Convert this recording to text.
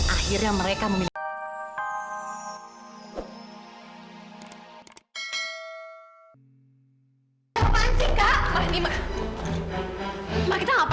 pak berhenti di depan aku ya pak